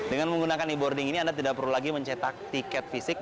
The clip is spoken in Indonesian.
dengan menggunakan e boarding ini anda tidak perlu lagi mencetak tiket fisik